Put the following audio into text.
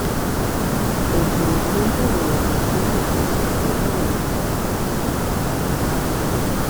Perteneciente de la región eclesiástica de Lacio.